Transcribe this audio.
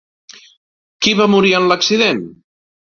Qui va morir en l'accident?